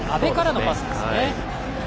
阿部からのパスですね。